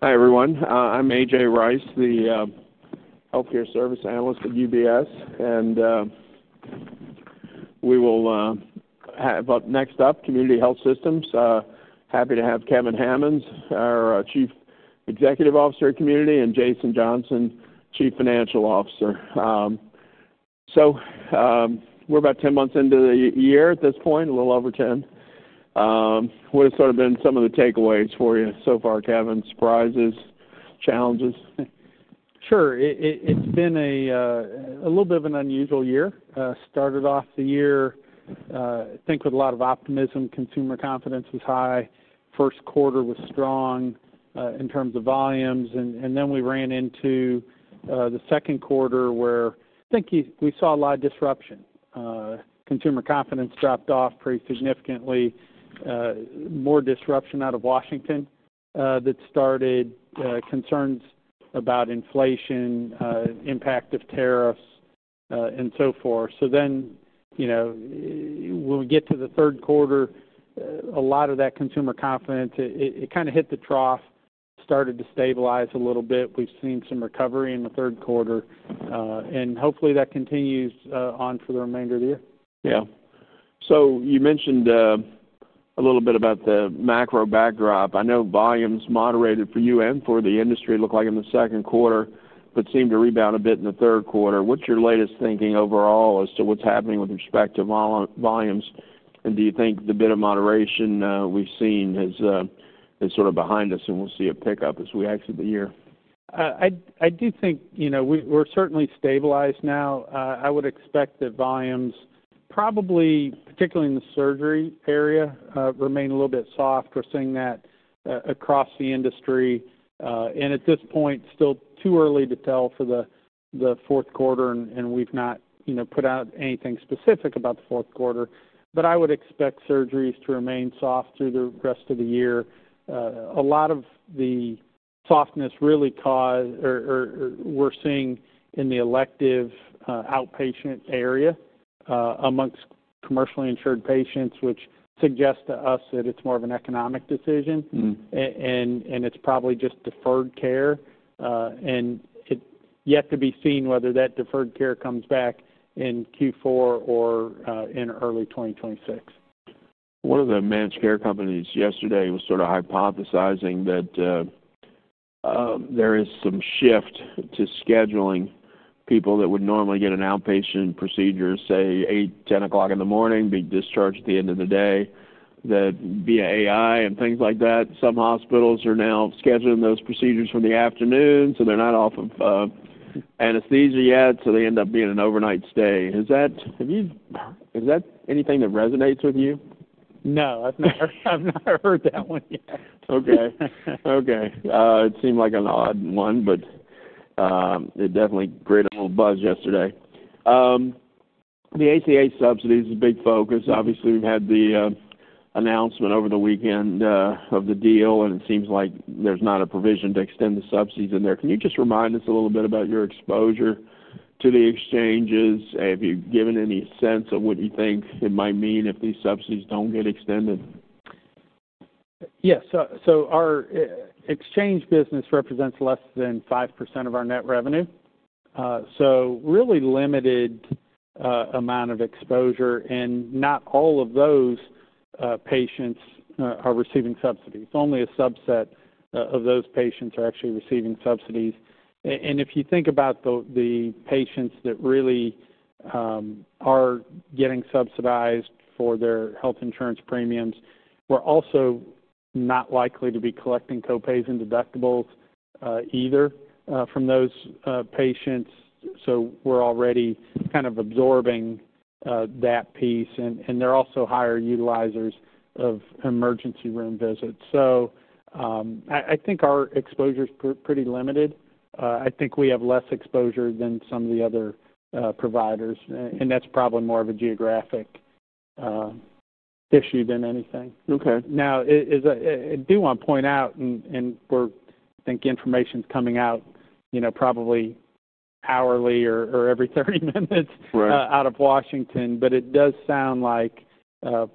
Hi everyone. I'm A.J. Rice, the healthcare service analyst at UBS, and we will have up next up Community Health Systems. Happy to have Kevin Hammons, our Chief Executive Officer of Community, and Jason Johnson, Chief Financial Officer. We're about 10 months into the year at this point, a little over 10. What has sort of been some of the takeaways for you so far, Kevin? Surprises, challenges? Sure. It's been a little bit of an unusual year. Started off the year, I think, with a lot of optimism. Consumer confidence was high. First quarter was strong, in terms of volumes. Then we ran into the second quarter where, I think, we saw a lot of disruption. Consumer confidence dropped off pretty significantly. More disruption out of Washington, that started concerns about inflation, impact of tariffs, and so forth. When we get to the third quarter, a lot of that consumer confidence, it kinda hit the trough, started to stabilize a little bit. We've seen some recovery in the third quarter, and hopefully that continues for the remainder of the year. Yeah. You mentioned a little bit about the macro backdrop. I know volumes moderated for you and for the industry, looked like in the second quarter, but seemed to rebound a bit in the third quarter. What's your latest thinking overall as to what's happening with respect to volumes? Do you think the bit of moderation we've seen is sort of behind us and we'll see a pickup as we exit the year? I do think, you know, we're certainly stabilized now. I would expect that volumes probably, particularly in the surgery area, remain a little bit soft. We're seeing that across the industry. At this point, still too early to tell for the fourth quarter, and we've not, you know, put out anything specific about the fourth quarter. I would expect surgeries to remain soft through the rest of the year. A lot of the softness really caused, or we're seeing in the elective, outpatient area, amongst commercially insured patients, which suggests to us that it's more of an economic decision. Mm-hmm. And it's probably just deferred care, and it is yet to be seen whether that deferred care comes back in Q4 or in early 2026. One of the managed care companies yesterday was sort of hypothesizing that there is some shift to scheduling people that would normally get an outpatient procedure, say, 8, 10 o'clock in the morning, be discharged at the end of the day, that via AI and things like that, some hospitals are now scheduling those procedures for the afternoon, so they're not off of anesthesia yet, so they end up being an overnight stay. Is that, have you, is that anything that resonates with you? No, I've not heard that one yet. Okay. Okay. It seemed like an odd one, but it definitely created a little buzz yesterday. The ACA subsidies is a big focus. Obviously, we've had the announcement over the weekend of the deal, and it seems like there's not a provision to extend the subsidies in there. Can you just remind us a little bit about your exposure to the exchanges? Have you given any sense of what you think it might mean if these subsidies don't get extended? Yes. Our exchange business represents less than 5% of our net revenue, so really limited amount of exposure, and not all of those patients are receiving subsidies. Only a subset of those patients are actually receiving subsidies. If you think about the patients that really are getting subsidized for their health insurance premiums, we're also not likely to be collecting copays and deductibles either from those patients. We're already kind of absorbing that piece. They're also higher utilizers of emergency room visits. I think our exposure is pretty limited. I think we have less exposure than some of the other providers, and that's probably more of a geographic issue than anything. Okay. Now, it's a, I do wanna point out, and we're, I think information's coming out, you know, probably hourly or every 30 minutes. Right. Out of Washington. It does sound like,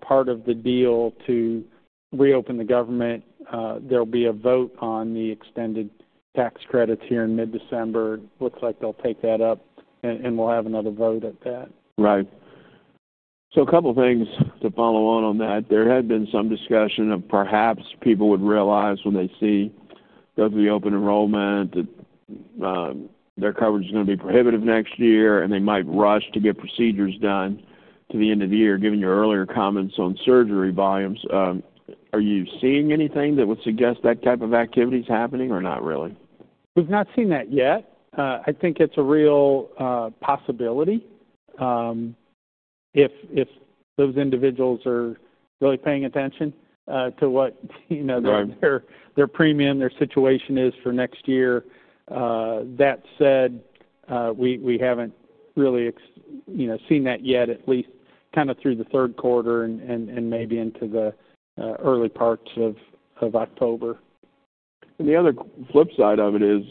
part of the deal to reopen the government, there'll be a vote on the extended tax credits here in mid-December. Looks like they'll take that up, and we'll have another vote at that. Right. A couple things to follow on, on that. There had been some discussion of perhaps people would realize when they see the reopen enrollment that their coverage is gonna be prohibitive next year, and they might rush to get procedures done to the end of the year, given your earlier comments on surgery volumes. Are you seeing anything that would suggest that type of activity's happening or not really? We've not seen that yet. I think it's a real possibility, if those individuals are really paying attention to what, you know, their. Right. Their premium, their situation is for next year. That said, we haven't really, you know, seen that yet, at least kinda through the third quarter and maybe into the early parts of October. The other flip side of it is,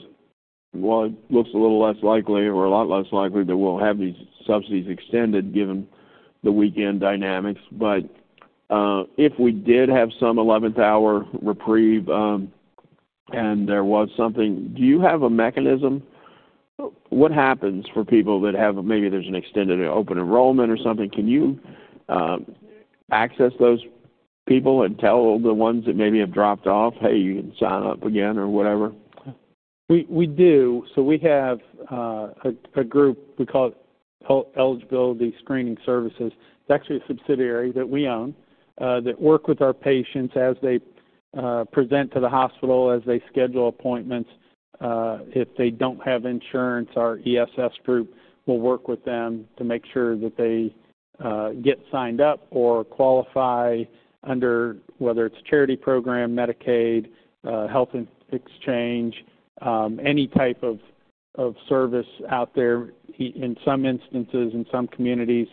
it looks a little less likely or a lot less likely that we'll have these subsidies extended given the weekend dynamics. If we did have some 11th-hour reprieve, and there was something, do you have a mechanism? What happens for people that have, maybe there's an extended open enrollment or something? Can you access those people and tell the ones that maybe have dropped off, "Hey, you can sign up again," or whatever? We do. So we have a group, we call it Eligibility Screening Services. It's actually a subsidiary that we own, that work with our patients as they present to the hospital, as they schedule appointments. If they don't have insurance, our ESS group will work with them to make sure that they get signed up or qualify under whether it's a charity program, Medicaid, health in exchange, any type of service out there. In some instances, in some communities,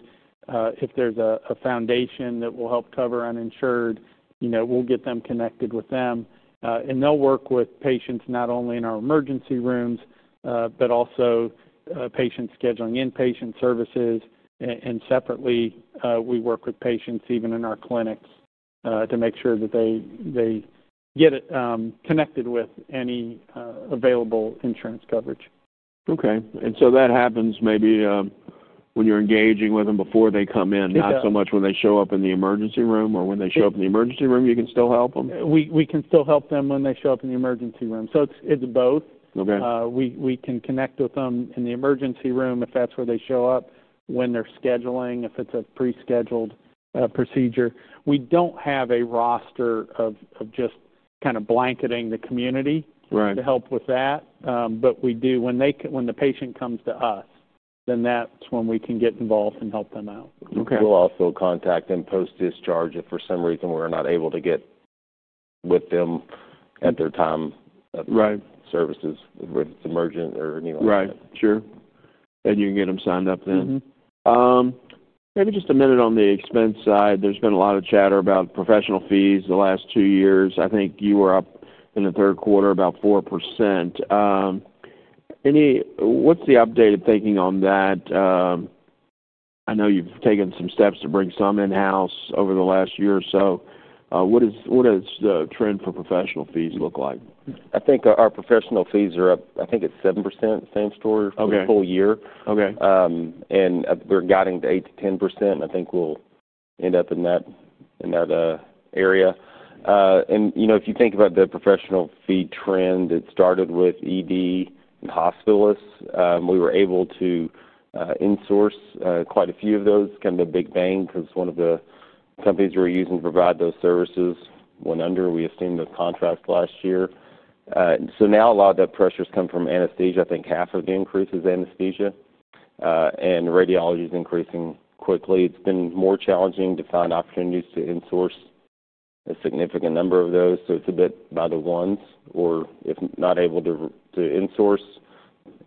if there's a foundation that will help cover uninsured, you know, we'll get them connected with them. They will work with patients not only in our emergency rooms, but also patients scheduling inpatient services. Separately, we work with patients even in our clinics, to make sure that they get connected with any available insurance coverage. Okay. That happens maybe, when you're engaging with them before they come in. Yes. Not so much when they show up in the emergency room? Or when they show up in the emergency room, you can still help them? We can still help them when they show up in the emergency room. So it's both. Okay. We can connect with them in the emergency room if that's where they show up, when they're scheduling, if it's a prescheduled procedure. We don't have a roster of just kinda blanketing the community. Right. To help with that. We do, when the patient comes to us, then that's when we can get involved and help them out. Okay. We'll also contact them post-discharge if for some reason we're not able to get with them at that time. Right. At the services with emergent or anything like that. Right. Sure. You can get them signed up then? Mm-hmm. Maybe just a minute on the expense side. There's been a lot of chatter about professional fees the last two years. I think you were up in the third quarter about 4%. Any what's the updated thinking on that? I know you've taken some steps to bring some in-house over the last year or so. What is the trend for professional fees look like? I think our professional fees are up, I think it's 7%, same story. Okay. For the full year. Okay. We're guiding to 8%-10%. I think we'll end up in that area. You know, if you think about the professional fee trend, it started with ED and hospitalists. We were able to insource quite a few of those, kind of the big bang 'cause one of the companies we were using to provide those services went under. We assumed a contract last year. Now a lot of that pressure's come from anesthesia. I think half of the increase is anesthesia, and radiology's increasing quickly. It's been more challenging to find opportunities to insource a significant number of those. It's a bit by the ones, or if not able to insource,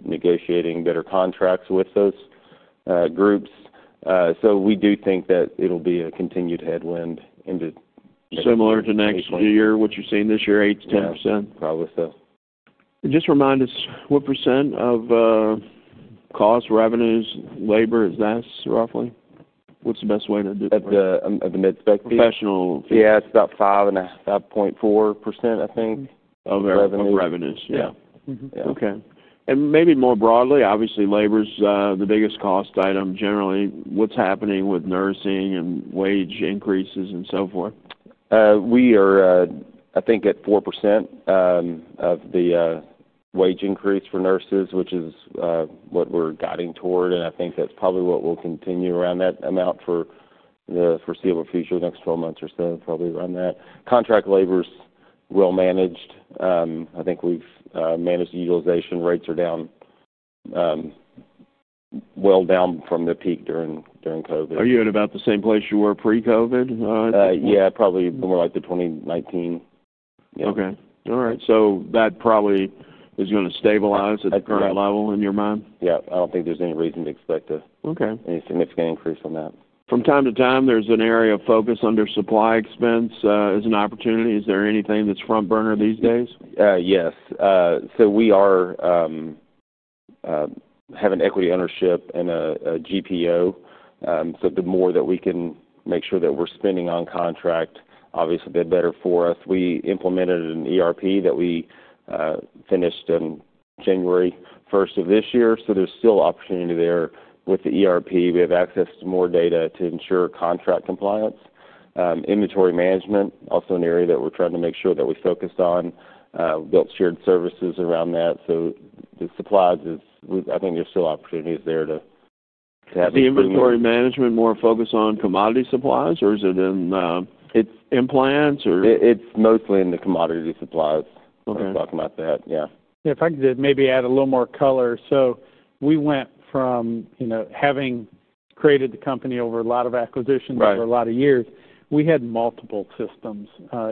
negotiating better contracts with those groups. We do think that it'll be a continued headwind into next year. Similar to next year, what you're seeing this year, 8-10%? Yeah. Probably so. Just remind us, what % of costs, revenues, labor is that roughly? What's the best way to de-. Of the mid-spec fee? Professional fee. Yeah, it's about 5% and a 5.4%, I think, of revenues. Of revenues. Yeah. Yeah. Mm-hmm. Yeah. Okay. Maybe more broadly, obviously, labor's the biggest cost item generally. What's happening with nursing and wage increases and so forth? We are, I think, at 4% of the wage increase for nurses, which is what we're guiding toward. I think that's probably what we'll continue, around that amount for the foreseeable future, the next 12 months or so, probably around that. Contract labor's well-managed. I think we've managed utilization rates are down, well down from the peak during COVID. Are you at about the same place you were pre-COVID, I think? Yeah, probably more like the 2019. Yeah. Okay. All right. So that probably is gonna stabilize at the current level in your mind? Yeah. I don't think there's any reason to expect a. Okay. Any significant increase on that? From time to time, there's an area of focus under supply expense, as an opportunity. Is there anything that's front burner these days? Yes. So we have an equity ownership in a GPO. The more that we can make sure that we're spending on contract, obviously, the better for us. We implemented an ERP that we finished on January 1 of this year. There is still opportunity there with the ERP. We have access to more data to ensure contract compliance. Inventory management is also an area that we're trying to make sure that we focused on. We built shared services around that. So the supplies is, I think there's still opportunities there to have inventory. Is the inventory management more focused on commodity supplies, or is it in, it's implants or? It's mostly in the commodity supplies. Okay. We're talking about that. Yeah. Yeah. If I could just maybe add a little more color. We went from, you know, having created the company over a lot of acquisitions. Right. Over a lot of years, we had multiple systems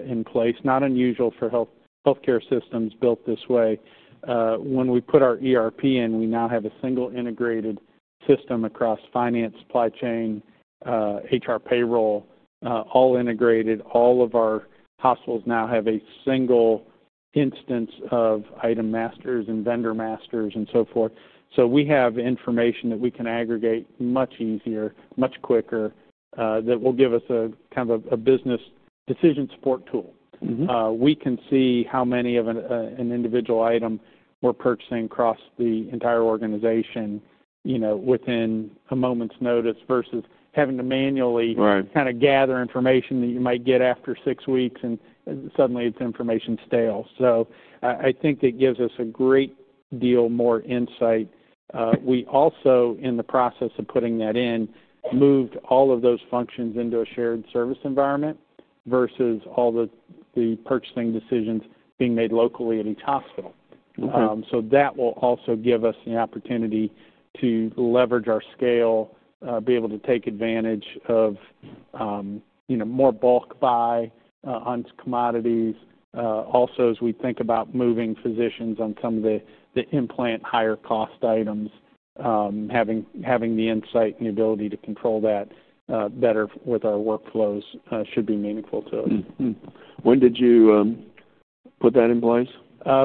in place. Not unusual for healthcare systems built this way. When we put our ERP in, we now have a single integrated system across finance, supply chain, HR, payroll, all integrated. All of our hospitals now have a single instance of item masters and vendor masters and so forth. We have information that we can aggregate much easier, much quicker, that will give us a kind of a business decision support tool. Mm-hmm. we can see how many of an individual item we're purchasing across the entire organization, you know, within a moment's notice versus having to manually. Right. Kinda gather information that you might get after six weeks, and suddenly it's information stale. So I think it gives us a great deal more insight. We also, in the process of putting that in, moved all of those functions into a shared service environment versus all the purchasing decisions being made locally at each hospital. Okay. That will also give us the opportunity to leverage our scale, be able to take advantage of, you know, more bulk buy on commodities. Also, as we think about moving physicians on some of the implant higher cost items, having the insight and the ability to control that better with our workflows should be meaningful to us. Mm-hmm. When did you put that in place?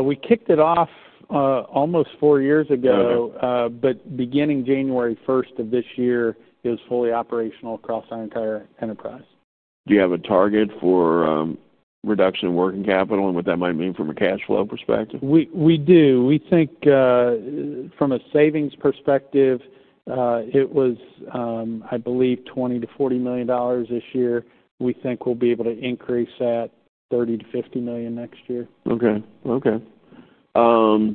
We kicked it off, almost four years ago. Okay. Beginning January 1st of this year, it was fully operational across our entire enterprise. Do you have a target for, reduction in working capital and what that might mean from a cash flow perspective? We do. We think, from a savings perspective, it was, I believe, $20 million-$40 million this year. We think we'll be able to increase that to $30 million-$50 million next year. Okay. Okay. I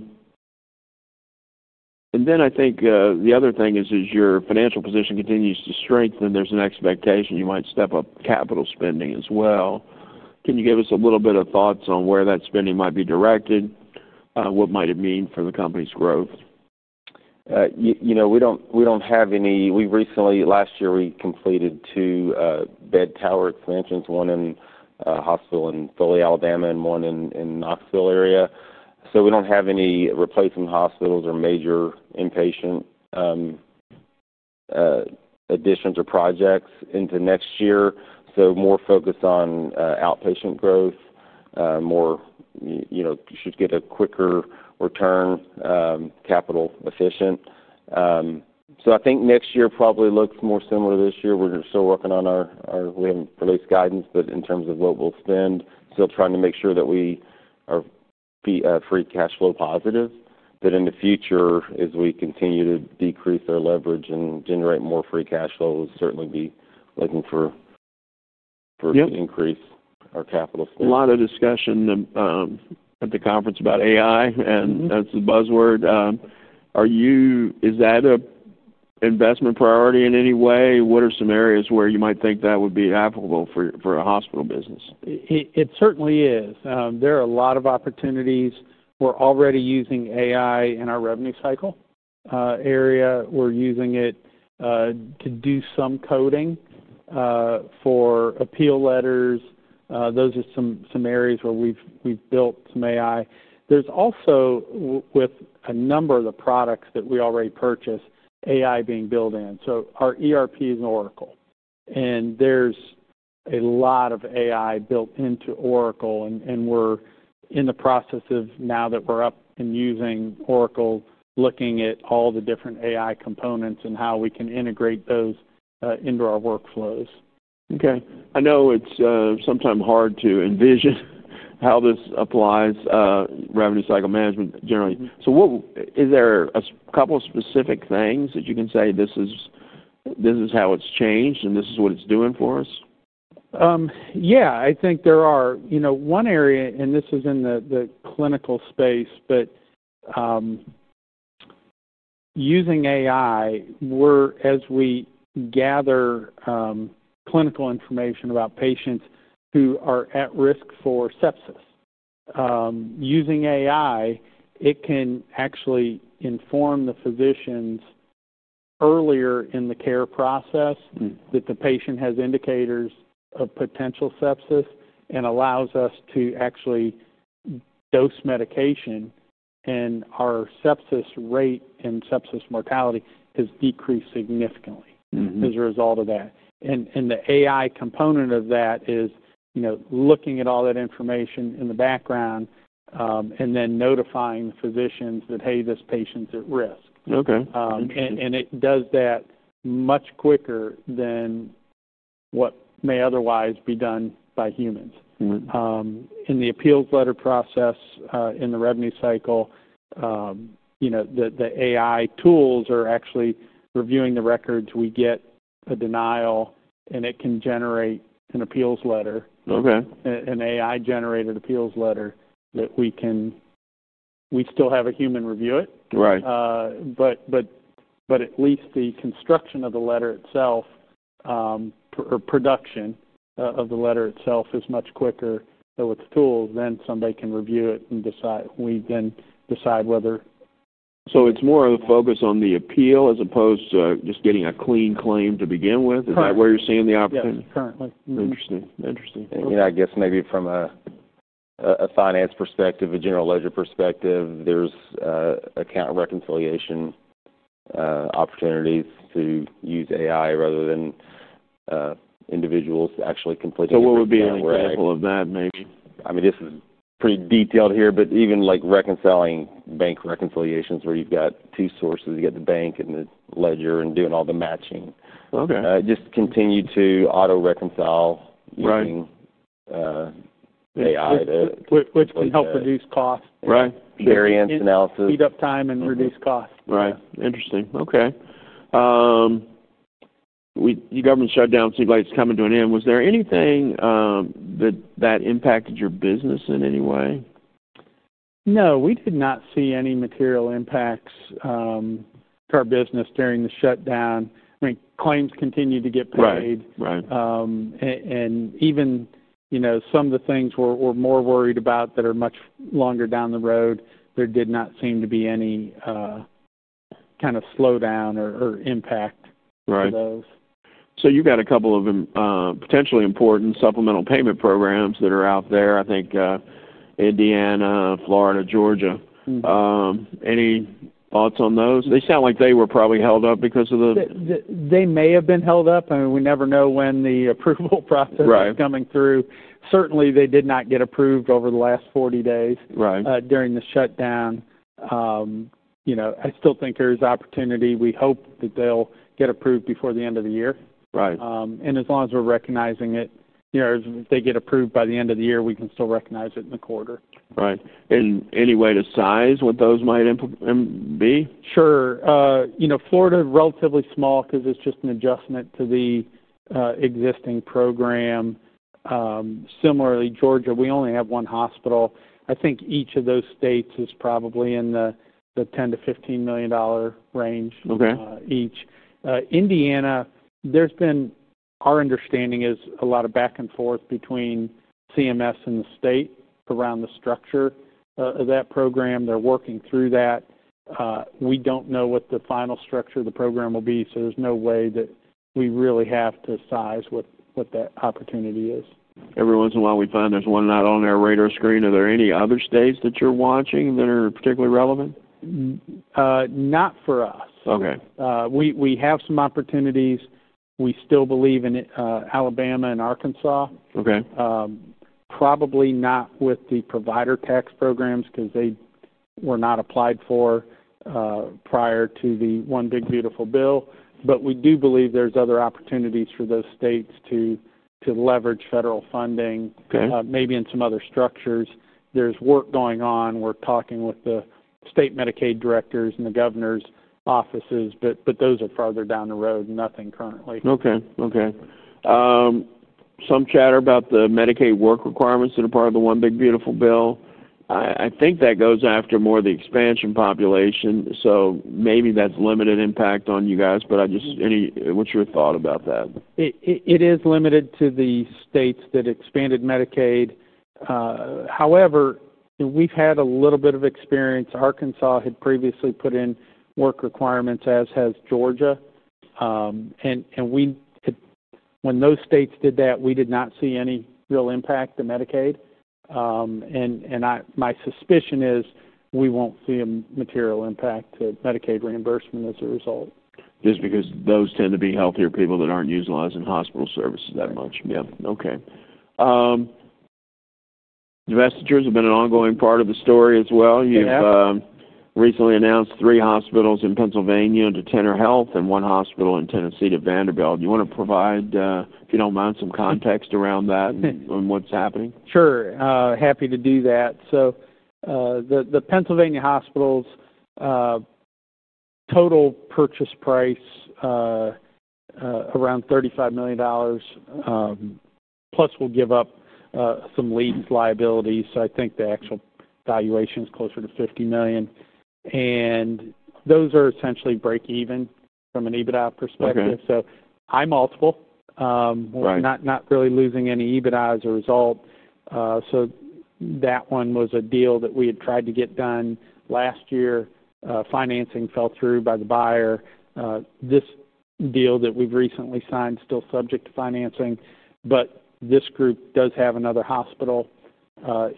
think the other thing is, as your financial position continues to strengthen, there's an expectation you might step up capital spending as well. Can you give us a little bit of thoughts on where that spending might be directed, what might it mean for the company's growth? You know, we don't have any, we recently last year, we completed two bed tower expansions, one in a hospital in Foley, Alabama, and one in the Knoxville area. We don't have any replacement hospitals or major inpatient additions or projects into next year. More focus on outpatient growth, more, you know, should get a quicker return, capital efficient. I think next year probably looks more similar to this year. We're still working on our, we haven't released guidance, but in terms of what we'll spend, still trying to make sure that we are free cash flow positive. In the future, as we continue to decrease our leverage and generate more free cash flow, we'll certainly be looking for, for. Yeah. Increase our capital spending. A lot of discussion at the conference about AI. Mm-hmm. That's the buzzword. Are you, is that an investment priority in any way? What are some areas where you might think that would be applicable for, for a hospital business? It certainly is. There are a lot of opportunities. We're already using AI in our revenue cycle area. We're using it to do some coding, for appeal letters. Those are some areas where we've built some AI. There's also, with a number of the products that we already purchased, AI being built in. Our ERP is Oracle. There's a lot of AI built into Oracle. We're in the process of, now that we're up and using Oracle, looking at all the different AI components and how we can integrate those into our workflows. Okay. I know it's sometimes hard to envision how this applies, revenue cycle management generally. Mm-hmm. Is there a couple of specific things that you can say, "This is how it's changed, and this is what it's doing for us"? Yeah. I think there are, you know, one area, and this is in the, the clinical space, but, using AI, we're as we gather clinical information about patients who are at risk for sepsis, using AI, it can actually inform the physicians earlier in the care process. Mm-hmm. That the patient has indicators of potential sepsis and allows us to actually dose medication. Our sepsis rate and sepsis mortality has decreased significantly. Mm-hmm. As a result of that. And the AI component of that is, you know, looking at all that information in the background, and then notifying the physicians that, "Hey, this patient's at risk. Okay. and it does that much quicker than what may otherwise be done by humans. Right. In the appeals letter process, in the revenue cycle, you know, the AI tools are actually reviewing the records. We get a denial, and it can generate an appeals letter. Okay. An AI-generated appeals letter that we can, we still have a human review it. Right. At least the construction of the letter itself, or production of the letter itself, is much quicker with the tools. Then somebody can review it and decide. We then decide whether. It is more of a focus on the appeal as opposed to just getting a clean claim to begin with. Correct. Is that where you're seeing the opportunity? Yes, currently. Interesting. Interesting. You know, I guess maybe from a finance perspective, a general ledger perspective, there's account reconciliation, opportunities to use AI rather than individuals actually completing an. What would be an example of that maybe? I mean, this is pretty detailed here, but even, like, reconciling bank reconciliations where you've got two sources. You got the bank and the ledger and doing all the matching. Okay. just continue to auto-reconcile using. Right. AI to. Which can help reduce cost. Right. Variance analysis. Speed up time and reduce cost. Right. Interesting. Okay. The government shutdown seemed like it's coming to an end. Was there anything that that impacted your business in any way? No. We did not see any material impacts to our business during the shutdown. I mean, claims continued to get paid. Right. Right. And even, you know, some of the things we're more worried about that are much longer down the road, there did not seem to be any kind of slowdown or impact. Right. To those. You've got a couple of potentially important supplemental payment programs that are out there, I think, Indiana, Florida, Georgia. Mm-hmm. Any thoughts on those? They sound like they were probably held up because of the. They may have been held up. I mean, we never know when the approval process. Right. Is coming through. Certainly, they did not get approved over the last 40 days. Right. during the shutdown. You know, I still think there's opportunity. We hope that they'll get approved before the end of the year. Right. and as long as we're recognizing it, you know, as they get approved by the end of the year, we can still recognize it in the quarter. Right. Any way to size what those might be? Sure. You know, Florida's relatively small 'cause it's just an adjustment to the existing program. Similarly, Georgia, we only have one hospital. I think each of those states is probably in the $10-15 million range. Okay. Indiana, there's been our understanding is a lot of back and forth between CMS and the state around the structure of that program. They're working through that. We don't know what the final structure of the program will be, so there's no way that we really have to size what that opportunity is. Every once in a while, we find there's one not on our radar screen. Are there any other states that you're watching that are particularly relevant? Not for us. Okay. We have some opportunities. We still believe in Alabama and Arkansas. Okay. Probably not with the provider tax programs 'cause they were not applied for, prior to the One Big Beautiful Bill. We do believe there's other opportunities for those states to leverage federal funding. Okay. Maybe in some other structures. There's work going on. We're talking with the state Medicaid directors and the governor's offices, but those are farther down the road, nothing currently. Okay. Okay. Some chatter about the Medicaid work requirements that are part of the One Big Beautiful Bill. I think that goes after more of the expansion population, so maybe that's limited impact on you guys, but I just, any, what's your thought about that? It is limited to the states that expanded Medicaid. However, we've had a little bit of experience. Arkansas had previously put in work requirements, as has Georgia. When those states did that, we did not see any real impact to Medicaid. My suspicion is we won't see a material impact to Medicaid reimbursement as a result. Just because those tend to be healthier people that aren't utilizing hospital services that much. Mm-hmm. Yeah. Okay. Divestitures have been an ongoing part of the story as well. Yeah. You've recently announced three hospitals in Pennsylvania to Tenet Healthcare and one hospital in Tennessee to Vanderbilt. Do you wanna provide, if you don't mind, some context around that and what's happening? Sure. Happy to do that. The Pennsylvania hospitals, total purchase price, around $35 million, plus we'll give up some lease liabilities. I think the actual valuation is closer to $50 million. Those are essentially break-even from an EBITDA perspective. Okay. I'm multiple. Right. We're not, not really losing any EBITDA as a result. That one was a deal that we had tried to get done last year. Financing fell through by the buyer. This deal that we've recently signed is still subject to financing. This group does have another hospital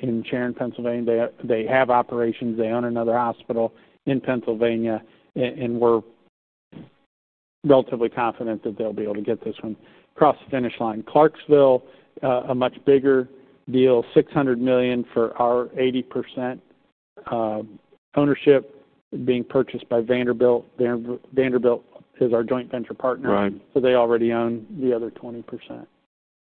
in Sharon, Pennsylvania. They have operations. They own another hospital in Pennsylvania. We're relatively confident that they'll be able to get this one across the finish line. Clarksville, a much bigger deal, $600 million for our 80% ownership being purchased by Vanderbilt. Vanderbilt is our joint venture partner. Right. They already own the other 20%.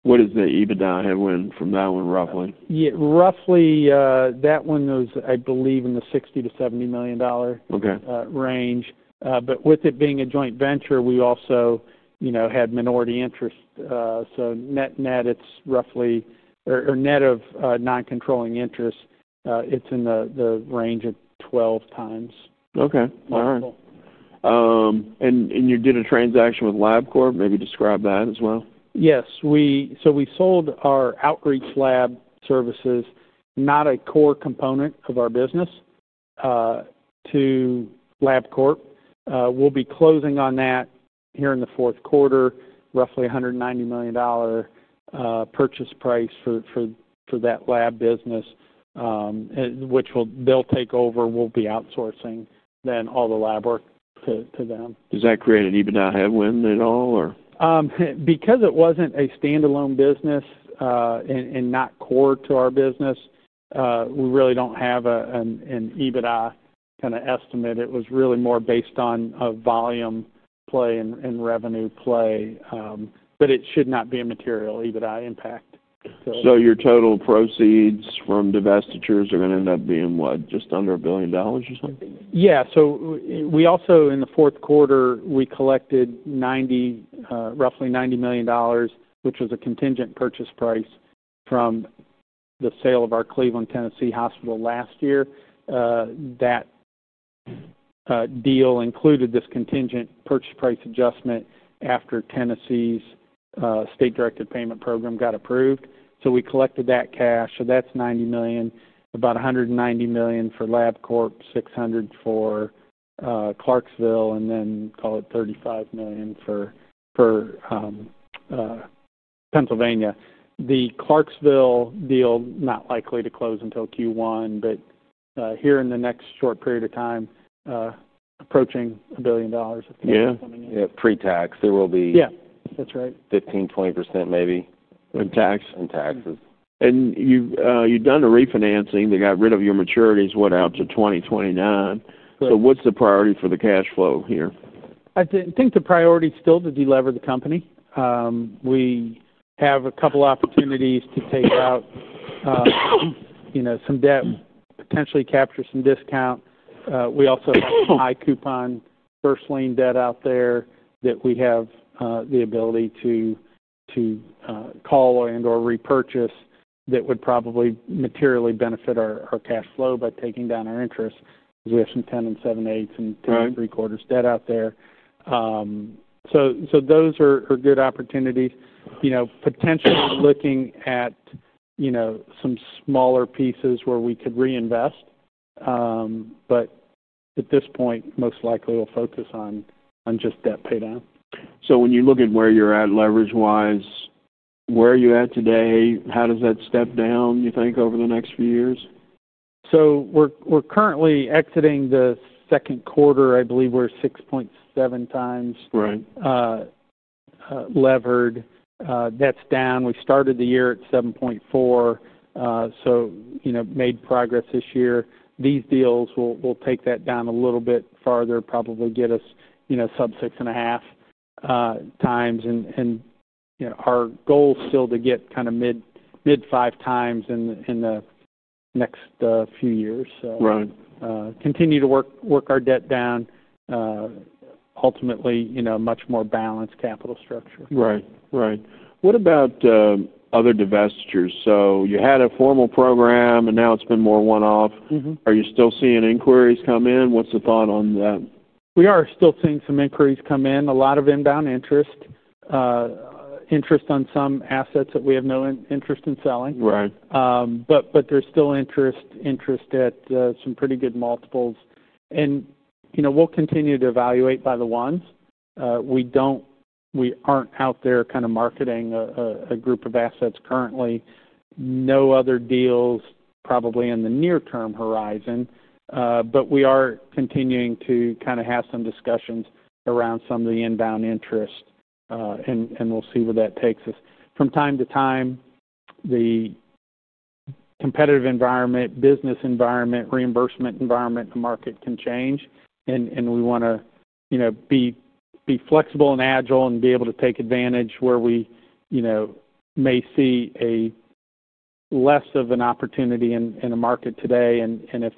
What does the EBITDA headwind from that one roughly? Yeah, roughly, that one was, I believe, in the $60 million-$70 million dollar. Okay. range. With it being a joint venture, we also, you know, had minority interest. Net-net, it's roughly, or net of non-controlling interest, it's in the range of 12 times. Okay. All right. Multiple. and you did a transaction with LabCorp? Maybe describe that as well. Yes. We sold our outreach lab services, not a core component of our business, to LabCorp. We'll be closing on that here in the fourth quarter, roughly $190 million purchase price for that lab business, which they will take over. We'll be outsourcing then all the lab work to them. Does that create an EBITDA headwind at all, or? Because it wasn't a standalone business and not core to our business, we really don't have an EBITDA kind of estimate. It was really more based on a volume play and revenue play. It should not be a material EBITDA impact. Your total proceeds from divestitures are gonna end up being what, just under a billion dollars or something? Yeah. We also in the fourth quarter, we collected roughly $90 million, which was a contingent purchase price from the sale of our Cleveland, Tennessee hospital last year. That deal included this contingent purchase price adjustment after Tennessee's state-directed payment program got approved. We collected that cash. That is $90 million, about $190 million for LabCorp, $600 million for Clarksville, and then call it $35 million for Pennsylvania. The Clarksville deal not likely to close until Q1, but here in the next short period of time, approaching a billion dollars of cash coming in. Yeah. Yeah. Pre-tax, there will be. Yeah. That's right. 15%-20% maybe. In tax? In taxes. You have done the refinancing. They got rid of your maturities, what, out to 2029. Correct. What's the priority for the cash flow here? I think the priority's still to delever the company. We have a couple opportunities to take out, you know, some debt, potentially capture some discount. We also have some high coupon first lien debt out there that we have the ability to, to call and/or repurchase that would probably materially benefit our cash flow by taking down our interest 'cause we have some 10 and 7/8 and 10 and 3/4 debt out there. Those are good opportunities. You know, potentially looking at, you know, some smaller pieces where we could reinvest, but at this point, most likely we'll focus on just debt paydown. When you look at where you're at leverage-wise, where are you at today? How does that step down, you think, over the next few years? We're currently exiting the second quarter. I believe we're 6.7 times. Right. levered. That's down. We started the year at 7.4, so, you know, made progress this year. These deals will take that down a little bit farther, probably get us, you know, sub 6.5 times. You know, our goal's still to get kinda mid, mid 5 times in the next few years. Right. continue to work, work our debt down, ultimately, you know, a much more balanced capital structure. Right. Right. What about other divestitures? So you had a formal program, and now it's been more one-off. Mm-hmm. Are you still seeing inquiries come in? What's the thought on that? We are still seeing some inquiries come in. A lot of inbound interest, interest on some assets that we have no interest in selling. Right. But there's still interest at some pretty good multiples. You know, we'll continue to evaluate by the ones. We aren't out there kind of marketing a group of assets currently. No other deals probably in the near-term horizon, but we are continuing to have some discussions around some of the inbound interest, and we'll see where that takes us. From time to time, the competitive environment, business environment, reimbursement environment, the market can change. We want to be flexible and agile and be able to take advantage where we may see less of an opportunity in the market today. If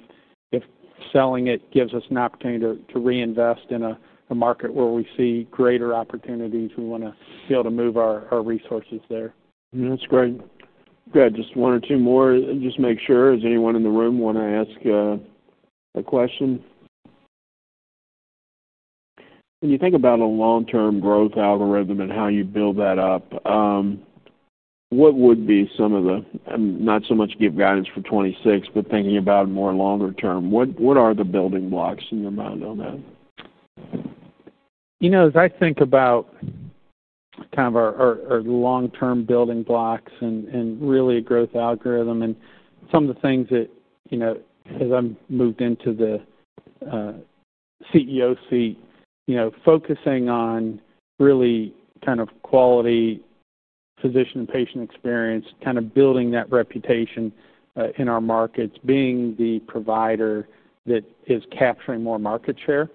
selling it gives us an opportunity to reinvest in a market where we see greater opportunities, we want to be able to move our resources there. That's great. Good. Just one or two more. Just make sure, is anyone in the room wanna ask a question? When you think about a long-term growth algorithm and how you build that up, what would be some of the, not so much give guidance for '26, but thinking about more longer term, what, what are the building blocks in your mind on that? You know, as I think about kind of our long-term building blocks and really a growth algorithm and some of the things that, you know, as I moved into the CEO seat, you know, focusing on really kind of quality, physician and patient experience, kinda building that reputation in our markets, being the provider that is capturing more market share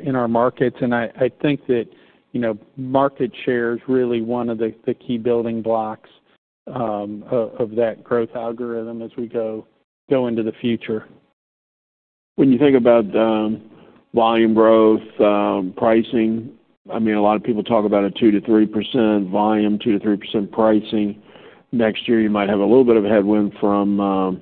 in our markets. I think that, you know, market share is really one of the key building blocks of that growth algorithm as we go into the future. When you think about volume growth, pricing, I mean, a lot of people talk about a 2-3% volume, 2-3% pricing. Next year, you might have a little bit of headwind from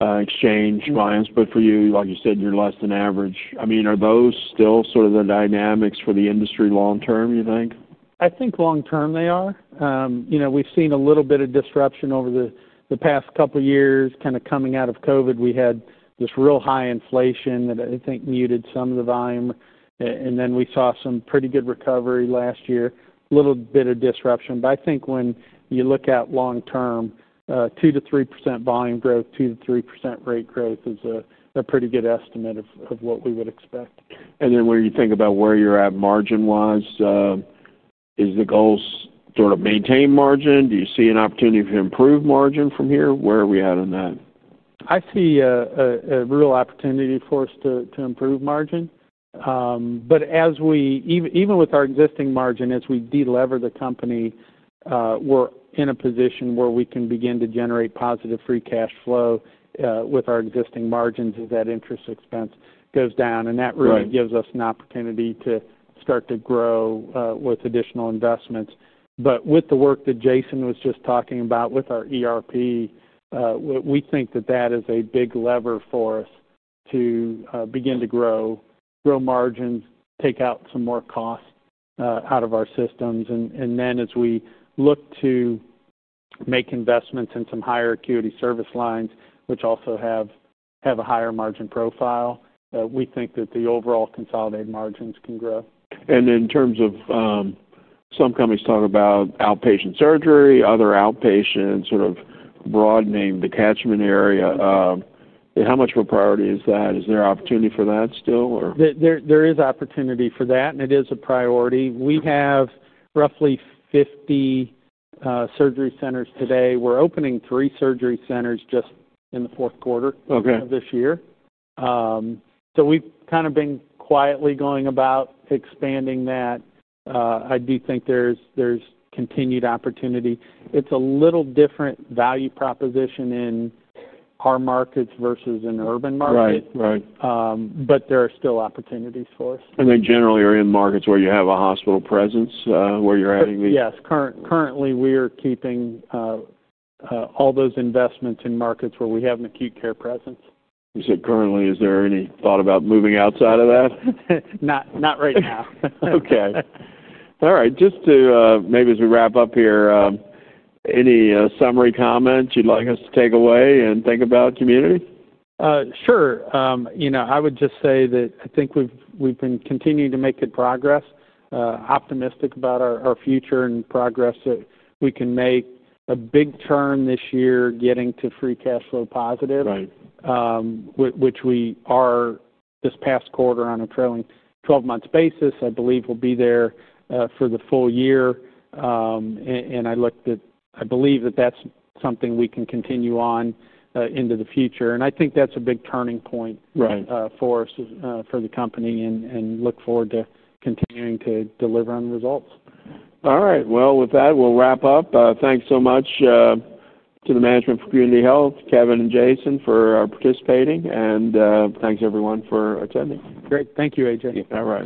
exchange buy-ins. For you, like you said, you're less than average. I mean, are those still sort of the dynamics for the industry long-term, you think? I think long-term they are. You know, we've seen a little bit of disruption over the past couple of years kinda coming out of COVID. We had this real high inflation that I think muted some of the volume. And then we saw some pretty good recovery last year, little bit of disruption. I think when you look at long-term, 2-3% volume growth, 2-3% rate growth is a pretty good estimate of what we would expect. When you think about where you're at margin-wise, is the goal sort of maintain margin? Do you see an opportunity to improve margin from here? Where are we at on that? I see a real opportunity for us to improve margin. As we, even with our existing margin, as we delever the company, we're in a position where we can begin to generate positive free cash flow with our existing margins as that interest expense goes down. That really. Right. Gives us an opportunity to start to grow, with additional investments. With the work that Jason was just talking about with our ERP, we think that that is a big lever for us to begin to grow margins, take out some more cost out of our systems. Then as we look to make investments in some higher acuity service lines, which also have a higher margin profile, we think that the overall consolidated margins can grow. In terms of, some companies talk about outpatient surgery, other outpatient sort of broadening detachment area, how much of a priority is that? Is there opportunity for that still, or? There is opportunity for that, and it is a priority. We have roughly 50 surgery centers today. We're opening three surgery centers just in the fourth quarter. Okay. Of this year. So we've kinda been quietly going about expanding that. I do think there's continued opportunity. It's a little different value proposition in our markets versus an urban market. Right. Right. There are still opportunities for us. Are you in markets where you have a hospital presence, where you're adding the? Yes. Currently, we are keeping all those investments in markets where we have an acute care presence. You said currently, is there any thought about moving outside of that? Not, not right now. Okay. All right. Just to, maybe as we wrap up here, any summary comments you'd like us to take away and think about Community? Sure. You know, I would just say that I think we've been continuing to make good progress, optimistic about our future and progress that we can make a big turn this year getting to free cash flow positive. Right. which we are this past quarter on a trailing 12-month basis. I believe we'll be there for the full year. I believe that that's something we can continue on into the future. I think that's a big turning point. Right. for us, for the company, and look forward to continuing to deliver on results. All right. With that, we'll wrap up. Thanks so much to the management for Community Health, Kevin and Jason, for participating. Thanks everyone for attending. Great. Thank you, A.J. All right.